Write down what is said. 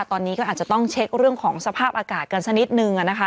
ตอนนี้ก็อาจจะต้องเช็คเรื่องของสภาพอากาศกันสักนิดนึงนะคะ